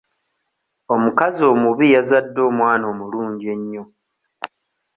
Omukazi omubi yazadde omwana omulungi ennyo.